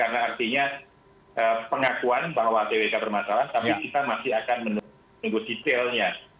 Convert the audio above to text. karena artinya pengakuan bahwa twk bermasalah tapi kita masih akan menunggu detailnya